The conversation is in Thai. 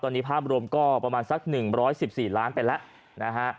ตอนนี้ภาพรวมก็ประมาณสัก๑๑๔ล้านไปแล้วนะฮะ